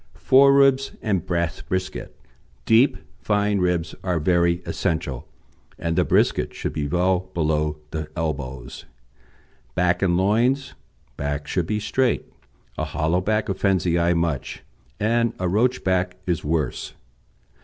FORE RIBS AND BRISKET Deep, fine ribs are very essential, and the brisket should be well below the elbows. BACK AND LOINS Back should be straight. A hollow back offends the eye much, and a roach back is worse.